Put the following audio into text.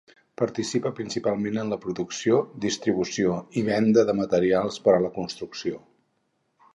Participa principalment en la producció, distribució i venda de materials per a la construcció.